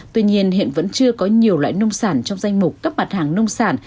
tuy nhiên hiện vẫn chưa có nhiều loại nông sản trong danh mục các mặt hàng nông sản